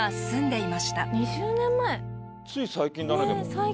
つい最近だねでも。